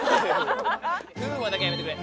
風磨だけはやめてくれ。